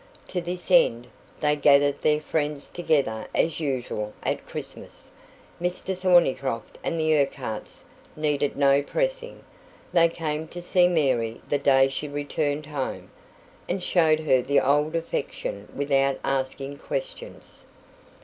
To this end, they gathered their friends together as usual at Christmas. Mr Thornycroft and the Urquharts needed no pressing; they came to see Mary the day she returned home, and showed her the old affection without asking questions.